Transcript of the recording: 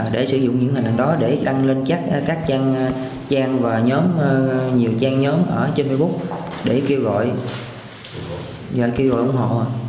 để sử dụng những hình ảnh đó để đăng lên các trang trang và nhiều trang nhóm ở trên facebook để kêu gọi ủng hộ